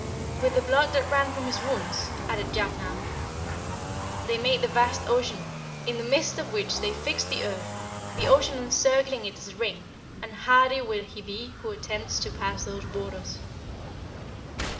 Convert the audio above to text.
"With the blood that ran from his wounds," added Jafnhar, "they made the vast ocean, in the midst of which they fixed the earth, the ocean encircling it as a ring, and hardy will he be who attempts to pass those waters."